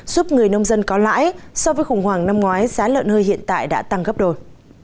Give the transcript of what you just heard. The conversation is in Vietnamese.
giúp người nông dân có lãi so với khủng hoảng năm ngoái giá lợn hơi hiện tại đã tăng gấp đôi